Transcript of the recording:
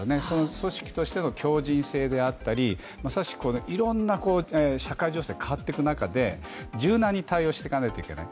組織としての強じん性であったり、まさしくいろんな社会情勢が変わってく中で柔軟に対応していかないといけない。